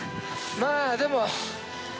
「まあでも」